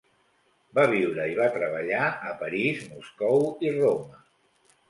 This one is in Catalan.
Va viure i va treballar a París, Moscou i Roma.